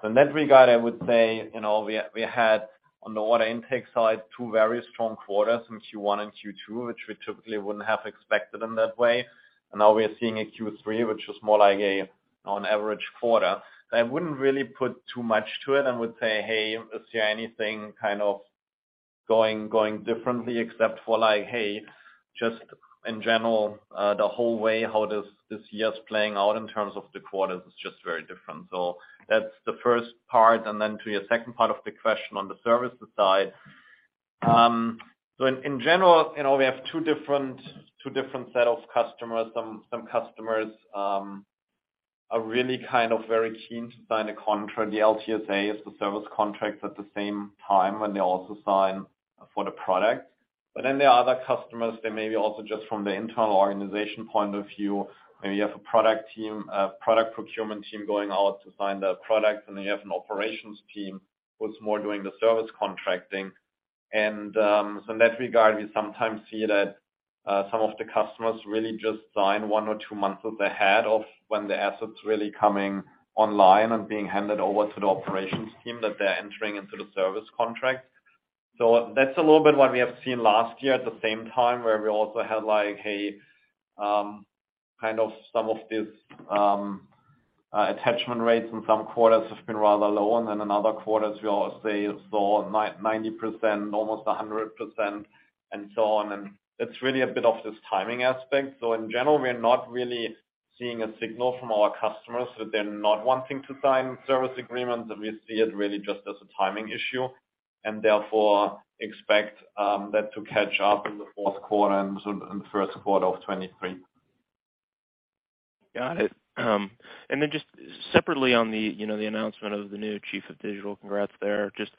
In that regard, I would say, you know, we had on the order intake side, two very strong quarters in Q1 and Q2, which we typically wouldn't have expected in that way. Now we are seeing a Q3, which is more like an average quarter. I wouldn't really put too much to it and would say, hey, is there anything kind of going differently except for like, hey, just in general, the whole way how this year is playing out in terms of the quarters is just very different. That's the first part. Then to your second part of the question on the services side. In general, you know, we have two different set of customers. Some customers are really kind of very keen to sign a contract. The LTSA is the service contract at the same time when they also sign for the product. There are other customers that maybe also just from the internal organization point of view, maybe you have a product team, a product procurement team going out to sign the product, and they have an operations team who's more doing the service contracting. In that regard, we sometimes see that some of the customers really just sign one or two months ahead of when the asset's really coming online and being handed over to the operations team that they're entering into the service contract. That's a little bit what we have seen last year at the same time, where we also had like some of these attachment rates in some quarters have been rather low, and then in other quarters we all saw 99%, almost 100% and so on. It's really a bit of this timing aspect. In general, we are not really seeing a signal from our customers that they're not wanting to sign service agreements, and we see it really just as a timing issue and therefore expect that to catch up in the fourth quarter and sort of in the first quarter of 2023. Got it. Just separately on the, you know, the announcement of the new Chief of Digital, congrats there. Just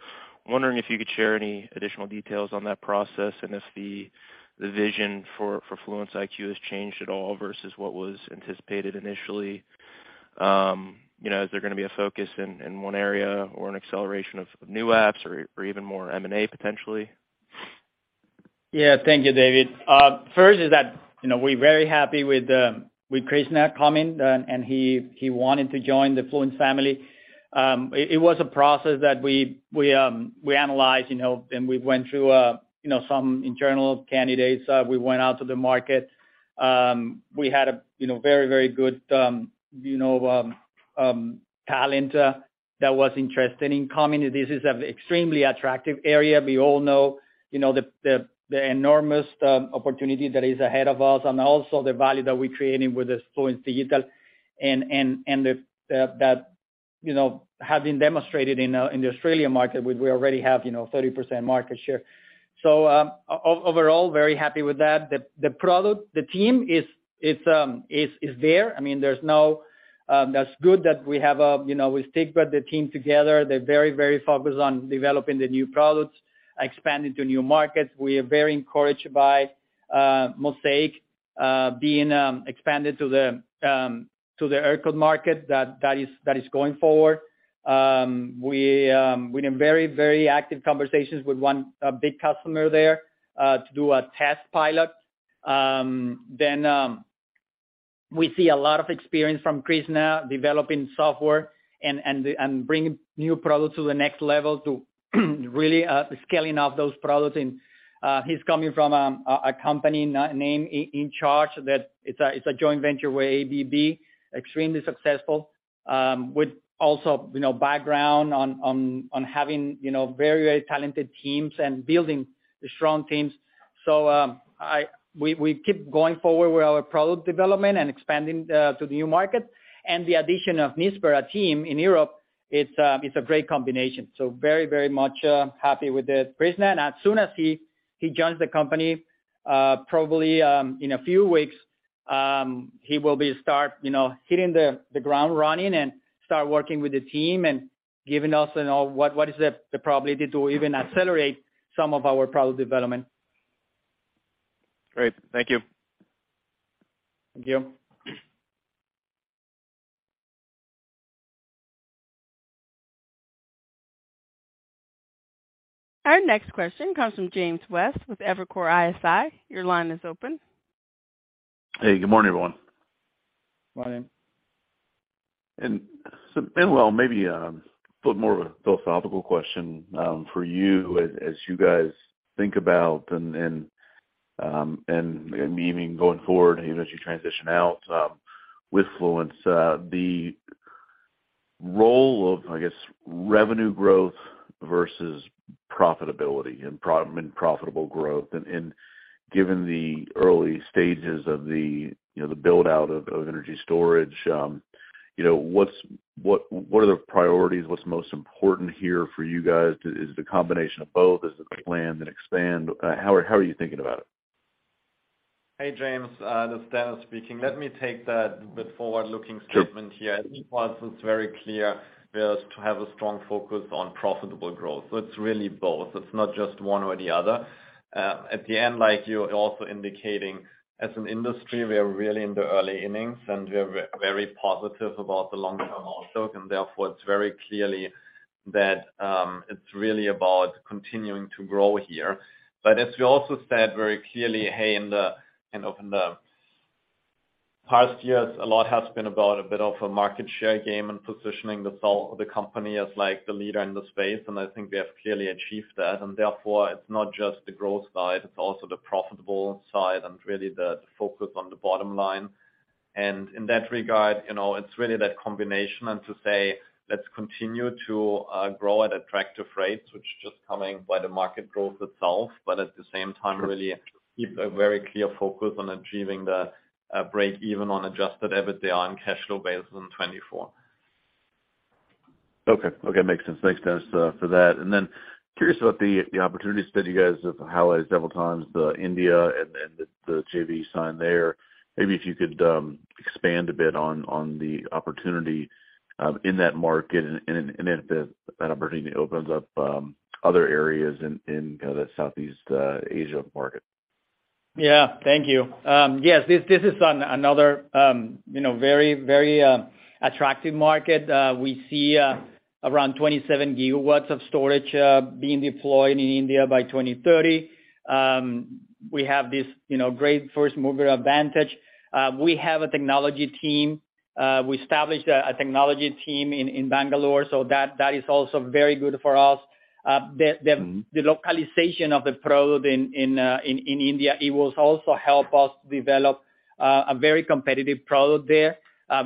wondering if you could share any additional details on that process and if the vision for Fluence IQ has changed at all versus what was anticipated initially. You know, is there gonna be a focus in one area or an acceleration of new apps or even more M&A potentially? Yeah. Thank you, David. First is that, you know, we're very happy with Krishna coming and he wanted to join the Fluence family. It was a process that we analyzed, you know, and we went through some internal candidates. We went out to the market. We had a very good talent that was interested in coming. This is an extremely attractive area. We all know the enormous opportunity that is ahead of us and also the value that we're creating with this Fluence Digital and the that have been demonstrated in the Australian market. We already have 30% market share. Overall, very happy with that. The product team is there. I mean, that's good that we have, you know, we stick with the team together. They're very focused on developing the new products, expanding to new markets. We are very encouraged by Mosaic being expanded to the ERCOT market that is going forward. We're in very active conversations with one big customer there to do a test pilot. Then, We see a lot of experience from Krishna developing software and bringing new products to the next level to really scaling up those products. He's coming from a company name, InCharge Energy, that it's a joint venture with ABB, extremely successful, with also, you know, background on having, you know, very talented teams and building strong teams. We keep going forward with our product development and expanding to the new market. The addition of Nispera team in Europe, it's a great combination. Very much happy with Krishna. As soon as he joins the company, probably in a few weeks, he will be, you know, hitting the ground running and start working with the team and giving us, you know, what is the probability to even accelerate some of our product development. Great. Thank you. Thank you. Our next question comes from James West with Evercore ISI. Your line is open. Hey, good morning, everyone. Morning. Well, maybe put more of a philosophical question for you as you guys think about, I mean, going forward, even as you transition out with Fluence, the role of, I guess, revenue growth versus profitability and profitable growth. Given the early stages of the, you know, the build-out of energy storage, you know, what are the priorities? What's most important here for you guys? Is it the combination of both? Is it the plan then expand? How are you thinking about it? Hey, James, this is Dennis speaking. Let me take that bit forward-looking statement here. Sure. I think for us it's very clear we are to have a strong focus on profitable growth. It's really both. It's not just one or the other. At the end, like you're also indicating, as an industry, we are really in the early innings, and we are very positive about the long-term outlook, and therefore, it's very clear that it's really about continuing to grow here. As we also said very clearly, hey, in the, you know, in the past years, a lot has been about a bit of a market share game and positioning the company as like the leader in the space, and I think we have clearly achieved that. Therefore, it's not just the growth side, it's also the profitable side and really the focus on the bottom line. In that regard, you know, it's really that combination and to say, let's continue to grow at attractive rates, which just coming by the market growth itself, but at the same time, really keep a very clear focus on achieving the breakeven on adjusted EBITDA on a cash flow basis in 2024. Okay. Makes sense. Thanks, Dennis, for that. Curious about the opportunities that you guys have highlighted several times, the India and the JV in there. Maybe if you could expand a bit on the opportunity in that market and if that opportunity opens up other areas in you know the Southeast Asia market. Yeah. Thank you. Yes, this is another, you know, very attractive market. We see around 27 GW of storage being deployed in India by 2030. We have this, you know, great first mover advantage. We have a technology team. We established a technology team in Bangalore, so that is also very good for us. Mm-hmm. The localization of the product in India, it will also help us develop a very competitive product there.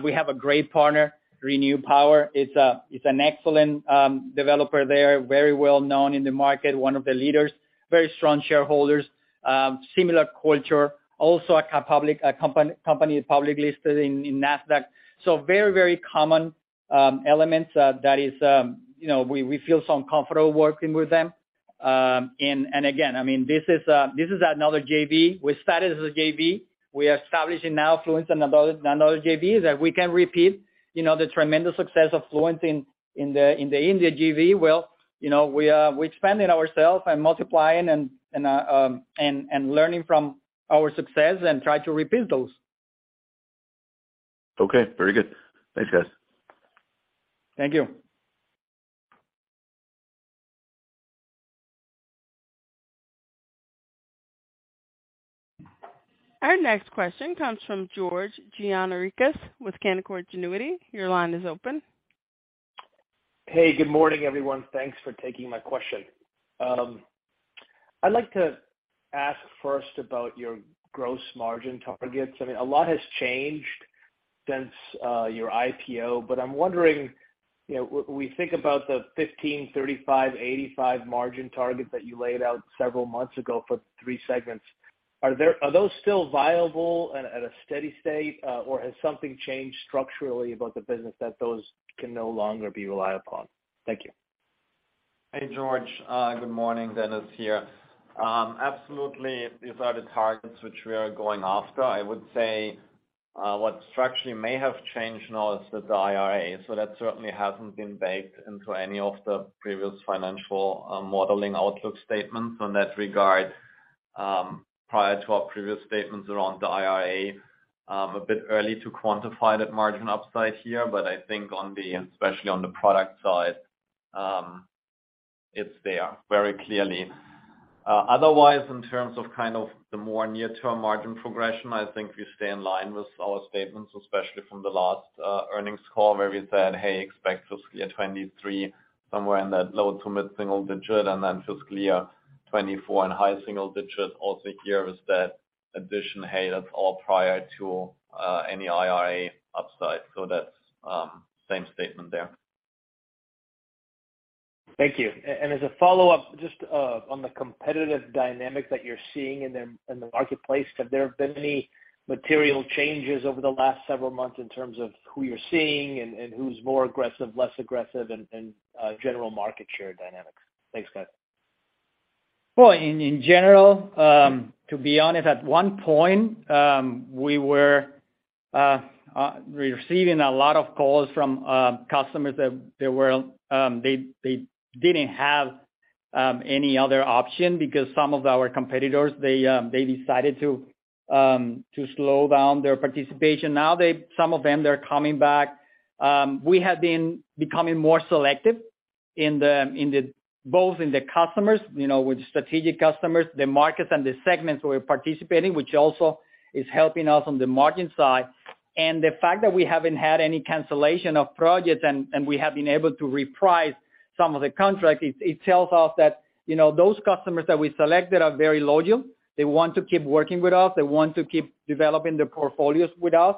We have a great partner, ReNew Power. It's an excellent developer there, very well known in the market, one of the leaders, very strong shareholders, similar culture, also a company publicly listed in NASDAQ. Very common elements that is, you know, we feel so comfortable working with them. Again, I mean, this is another JV. We started as a JV. We are establishing now Fluence, another JV that we can repeat, you know, the tremendous success of Fluence in the India JV. Well, you know, we're expanding ourselves and multiplying and learning from our success and try to repeat those. Okay. Very good. Thanks, guys. Thank you. Our next question comes from George Gianarikas with Canaccord Genuity. Your line is open. Hey, good morning, everyone. Thanks for taking my question. I'd like to ask first about your gross margin targets. I mean, a lot has changed since your IPO, but I'm wondering, you know, we think about the 15%/35%/85% margin target that you laid out several months ago for three segments. Are those still viable at a steady state, or has something changed structurally about the business that those can no longer be relied upon? Thank you. Hey, George. Good morning. Dennis here. Absolutely these are the targets which we are going after. I would say, what structurally may have changed now is the IRA. That certainly hasn't been baked into any of the previous financial modeling outlook statements in that regard, prior to our previous statements around the IRA. A bit early to quantify that margin upside here, but I think especially on the product side, it's there very clearly. Otherwise, in terms of kind of the more near-term margin progression, I think we stay in line with our statements, especially from the last earnings call, where we said, "Hey, expect fiscal year 2023 somewhere in that low- to mid-single digits%, and then fiscal year 2024 in high single digits%." Also here is that addition, hey, that's all prior to any IRA upside. That's same statement there. Thank you. As a follow-up, just on the competitive dynamic that you're seeing in the marketplace, have there been any material changes over the last several months in terms of who you're seeing and who's more aggressive, less aggressive, and general market share dynamics? Thanks, guys. Well, in general, to be honest, at one point, we were receiving a lot of calls from customers that they didn't have any other option because some of our competitors, they decided to slow down their participation. Now some of them, they're coming back. We have been becoming more selective in both the customers, you know, with strategic customers, the markets and the segments we're participating, which also is helping us on the margin side. The fact that we haven't had any cancellation of projects and we have been able to reprice some of the contracts, it tells us that, you know, those customers that we selected are very loyal. They want to keep working with us. They want to keep developing their portfolios with us.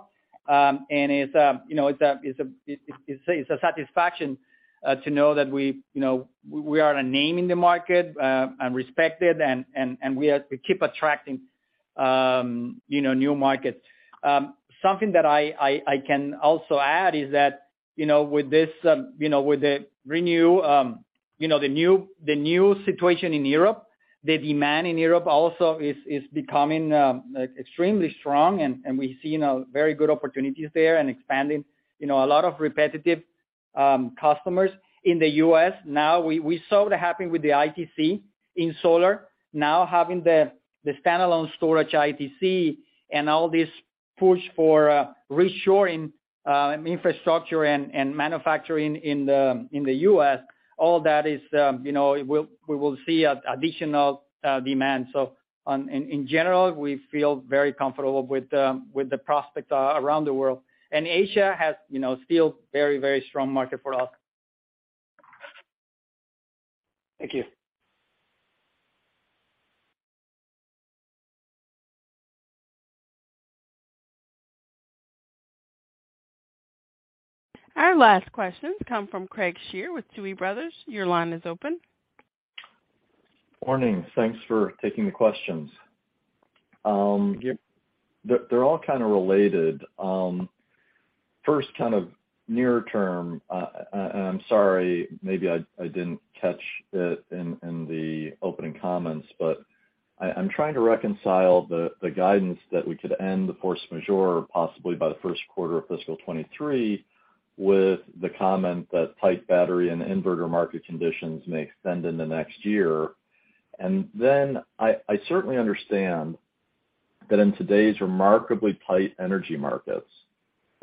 It's a satisfaction to know that we, you know, we are a name in the market and respected, and we keep attracting, you know, new markets. Something that I can also add is that, you know, with the new situation in Europe, the demand in Europe also is becoming extremely strong, and we're seeing a very good opportunities there and expanding, you know, a lot of repetitive customers. In the U.S., we saw that happen with the ITC in solar. Now having the standalone storage ITC and all this push for reshoring, infrastructure and manufacturing in the U.S., all that is, you know, we will see additional demand. In general, we feel very comfortable with the prospects around the world. Asia has, you know, still very, very strong market for us. Thank you. Our last questions come from Craig Shere with Truist Securities. Your line is open. Morning. Thanks for taking the questions. Yeah. They're all kind of related. First, kind of near term, and I'm sorry, maybe I didn't catch it in the opening comments, but I'm trying to reconcile the guidance that we could end the force majeure possibly by the first quarter of fiscal 2023 with the comment that tight battery and inverter market conditions may extend into next year. Then I certainly understand that in today's remarkably tight energy markets,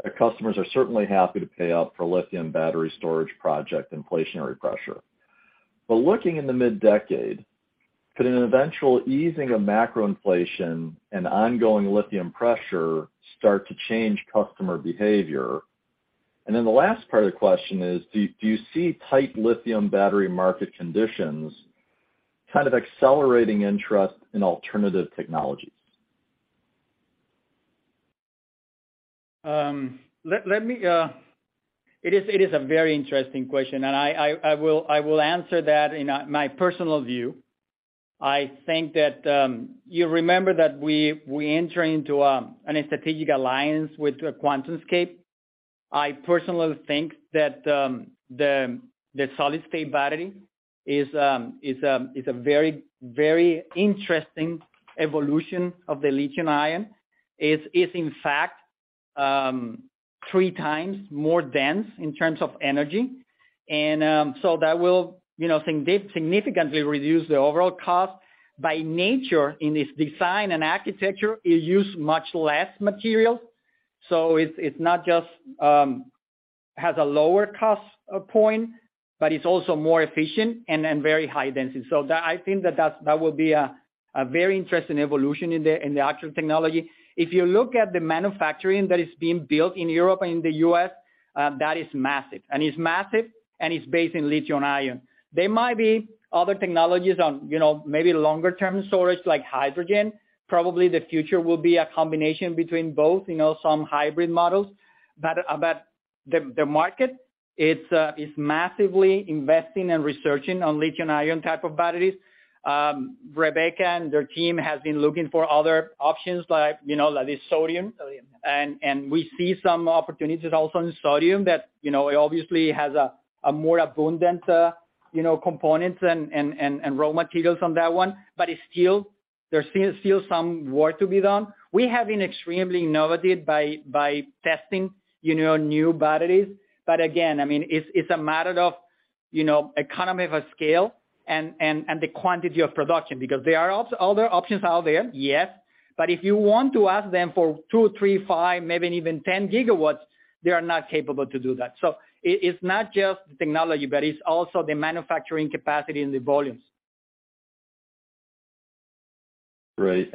that customers are certainly happy to pay up for lithium battery storage project inflationary pressure. Looking in the mid-decade, could an eventual easing of macro inflation and ongoing lithium pressure start to change customer behavior? Then the last part of the question is, do you see tight lithium battery market conditions kind of accelerating interest in alternative technologies? It is a very interesting question, and I will answer that in my personal view. I think that you remember that we enter into a strategic alliance with QuantumScape. I personally think that the solid-state battery is a very interesting evolution of the lithium-ion. It's in fact three times more dense in terms of energy. So that will, you know, significantly reduce the overall cost. By nature in its design and architecture, it use much less material. So it's not just has a lower cost point, but it's also more efficient and very high density. I think that that's that will be a very interesting evolution in the actual technology. If you look at the manufacturing that is being built in Europe and in the U.S., that is massive. It's massive, and it's based on lithium-ion. There might be other technologies on, you know, maybe longer-term storage like hydrogen. Probably the future will be a combination between both, you know, some hybrid models. The market is massively investing and researching on lithium-ion type of batteries. Rebecca and their team has been looking for other options like, you know, like the sodium. Sodium, yeah. We see some opportunities also in sodium that, you know, it obviously has a more abundant, you know, components and raw materials on that one. It's still some work to be done. We have been extremely innovative by testing, you know, new batteries. Again, I mean, it's a matter of, you know, economies of scale and the quantity of production, because there are other options out there, yes. If you want to ask them for 2 GW, 3 GW, 5 GW, maybe even 10 GWgigawatts, they are not capable to do that. It's not just the technology, but it's also the manufacturing capacity and the volumes. Right.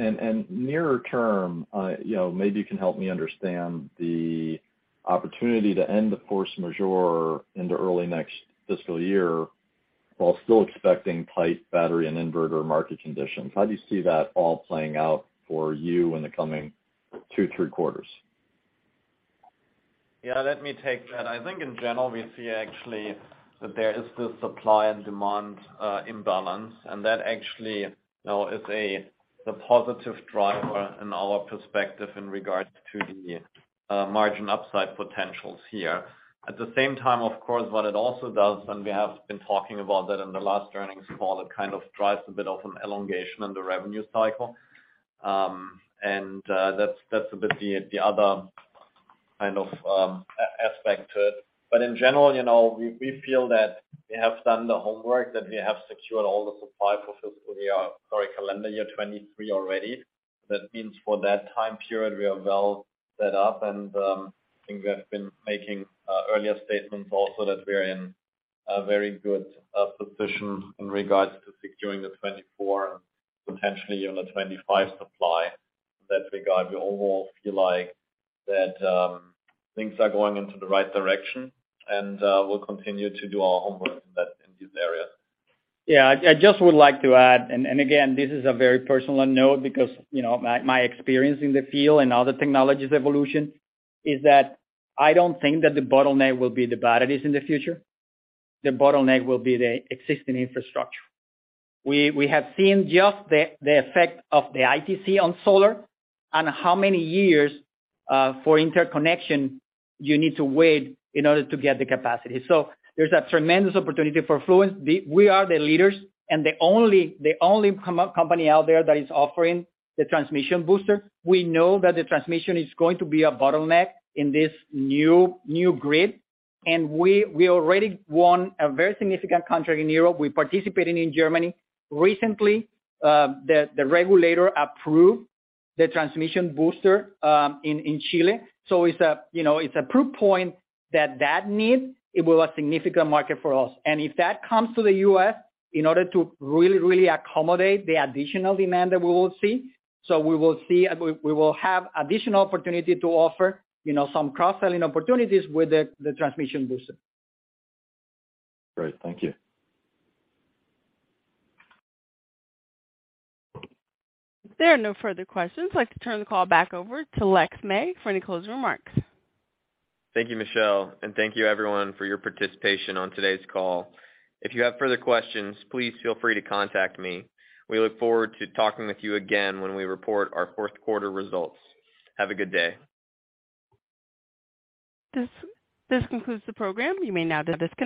Nearer term, you know, maybe you can help me understand the opportunity to end the force majeure into early next fiscal year while still expecting tight battery and inverter market conditions. How do you see that all playing out for you in the coming two, three quarters? Yeah, let me take that. I think in general, we see actually that there is this supply and demand imbalance, and that actually, you know, is a positive driver in our perspective in regards to the margin upside potentials here. At the same time, of course, what it also does, and we have been talking about that in the last earnings call, it kind of drives a bit of an elongation in the revenue cycle. And that's a bit the other kind of aspect to it. In general, you know, we feel that we have done the homework, that we have secured all the supply for fiscal year, sorry, calendar year 2023 already. That means for that time period, we are well set up. I think we have been making earlier statements also that we're in a very good position in regards to securing the 2024 and potentially even a 2025 supply. In that regard, we overall feel like that things are going into the right direction, and we'll continue to do our homework in these areas. Yeah. I just would like to add, and again, this is a very personal note because, you know, my experience in the field and all the technology's evolution is that I don't think that the bottleneck will be the batteries in the future. The bottleneck will be the existing infrastructure. We have seen just the effect of the ITC on solar and how many years for interconnection you need to wait in order to get the capacity. There's a tremendous opportunity for Fluence. We are the leaders and the only company out there that is offering the Grid Booster. We know that the transmission is going to be a bottleneck in this new grid, and we already won a very significant contract in Europe. We participated in Germany. Recently, the regulator approved the Grid Booster in Chile. It's a proof point that the need will be a significant market for us. If that comes to the U.S. in order to really accommodate the additional demand that we will see. We will have additional opportunity to offer, you know, some cross-selling opportunities with the Grid Booster. Great. Thank you. There are no further questions. I'd like to turn the call back over to Lexington May for any closing remarks. Thank you, Michelle, and thank you everyone for your participation on today's call. If you have further questions, please feel free to contact me. We look forward to talking with you again when we report our fourth quarter results. Have a good day. This concludes the program. You may now disconnect.